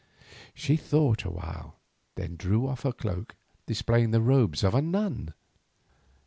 She thought a while, then drew off her cloak, displaying the robes of a nun.